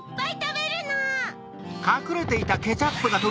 はい！